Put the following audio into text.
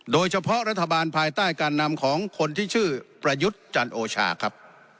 โดยเฉพาะรัฐบาลภายใต้การนำของคนที่ชื่อประยุทธ์จันโอชาครับ